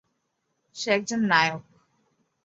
সে একজন নায়ক।